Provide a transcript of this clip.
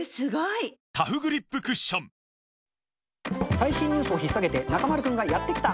最新ニュースを引っ提げて中丸君がやって来た！